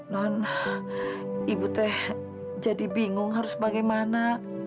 non ibu teh jadi bingung harus bagaimana